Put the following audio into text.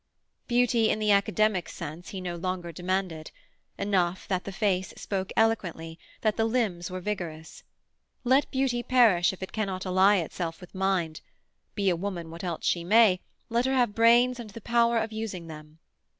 Beauty in the academic sense he no longer demanded; enough that the face spoke eloquently, that the limbs were vigorous. Let beauty perish if it cannot ally itself with mind; be a woman what else she may, let her have brains and the power of using them!